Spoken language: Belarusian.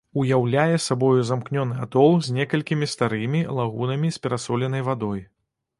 Уяўляе сабою замкнёны атол з некалькімі старымі лагунамі з перасоленай вадой.